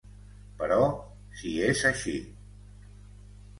Però si és així.